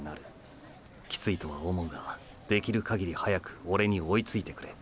キツイとは思うができる限り早くオレに追いついてくれ。